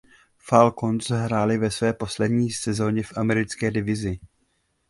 Falcons hrály ve své poslední sezóně v Americké divizi.